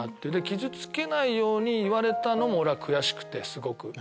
傷つけないように言われたのも俺は悔しくてすごく。